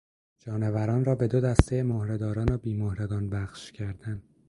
جانوران را به دو دستهی مهرهداران و بیمهرگان بخش کردن